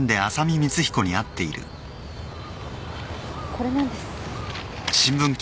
これなんです。